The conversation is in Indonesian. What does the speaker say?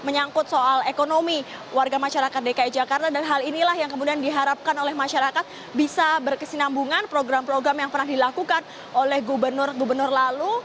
menyangkut soal ekonomi warga masyarakat dki jakarta dan hal inilah yang kemudian diharapkan oleh masyarakat bisa berkesinambungan program program yang pernah dilakukan oleh gubernur gubernur lalu